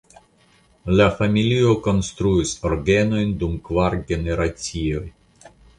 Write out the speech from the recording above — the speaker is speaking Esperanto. La familio konstruis orgenojn dum kvar generacioj.